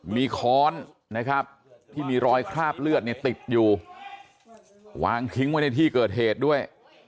มีค้อนที่มีรอยคราบเลือดติดอยู่วางที่กระทิ้งไปในที่เกิดเหตุด้วย